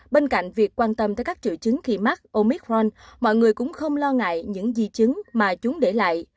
bên cạnh việc quan tâm tới các triệu chứng khi mắc omic ron mọi người cũng không lo ngại những di chứng mà chúng để lại